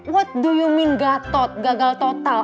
what do you mean gatot gagal total